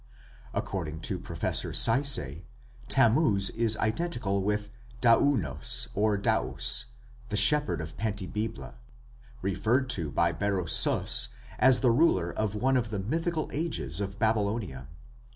According to Professor Sayce, Tammuz is identical with "Daonus or Daos, the shepherd of Pantibibla", referred to by Berosus as the ruler of one of the mythical ages of Babylonia.